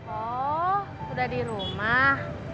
oh udah di rumah